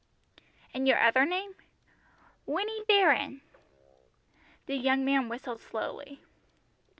"And your other name?" "Winnie Baron." The young man whistled slowly.